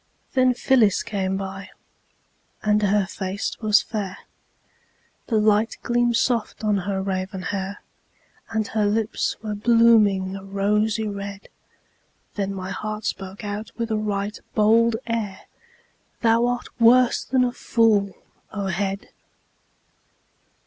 Then Phyllis came by, and her face was fair, The light gleamed soft on her raven hair; And her lips were blooming a rosy red. Then my heart spoke out with a right bold air: "Thou art worse than a fool, O head!"